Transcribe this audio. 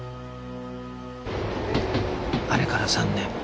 あれから３年